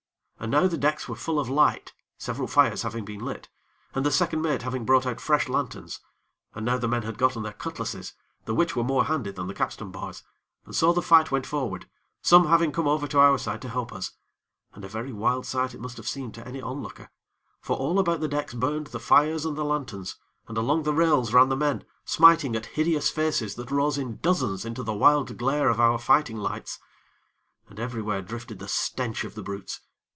And now the decks were full of light, several fires having been lit, and the second mate having brought out fresh lanterns; and now the men had gotten their cutlasses, the which were more handy than the capstan bars; and so the fight went forward, some having come over to our side to help us, and a very wild sight it must have seemed to any onlooker; for all about the decks burned the fires and the lanterns, and along the rails ran the men, smiting at hideous faces that rose in dozens into the wild glare of our fighting lights. And everywhere drifted the stench of the brutes.